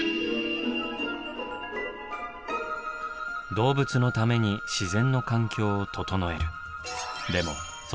動物のために自然の環境を整える。